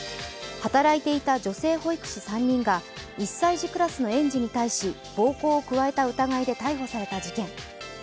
働いていた女性保育士３人が１歳児クラスの園児に対し暴行を加えた疑いで逮捕された事件。